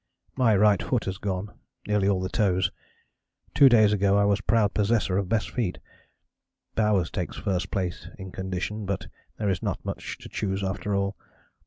"My right foot has gone, nearly all the toes two days ago I was proud possessor of best feet.... Bowers takes first place in condition, but there is not much to choose after all.